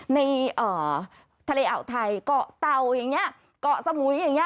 ในทะเลอ่าวไทยเกาะเตาอย่างนี้เกาะสมุยอย่างนี้